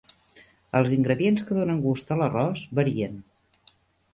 Els ingredients que donen gust a l'arròs varien.